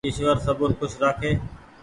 ايشور سبون کوش رآکي